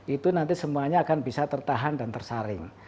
itu nanti semuanya akan bisa tertahan dan tersaring